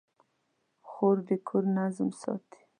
خور د کور نظم ساتي.